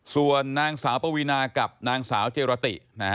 ส่วนนางสาวปวีนากับนางสาวเจรติ